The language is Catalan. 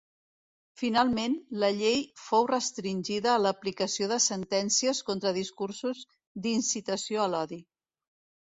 Finalment, la llei fou restringida a l'aplicació de sentències contra discursos d'incitació a l'odi.